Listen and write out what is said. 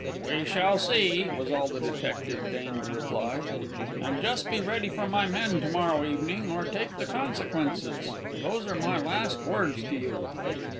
"We shall see," was all the detective deigned to reply; "and just be ready for my men to morrow evening, or take the consequences. Those are my last words to you!"